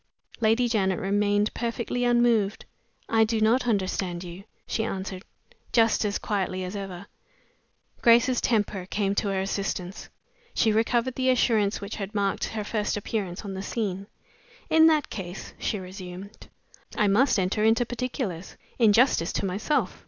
Lady Janet remained perfectly unmoved. "I do not understand you," she answered, just as quietly as ever. Grace's temper came to her assistance. She recovered the assurance which had marked her first appearance on the scene. "In that case," she resumed, "I must enter into particulars, in justice to myself.